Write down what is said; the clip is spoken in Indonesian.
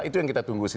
itu yang kita tunggu